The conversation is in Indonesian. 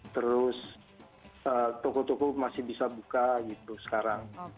terus toko toko masih bisa buka gitu sekarang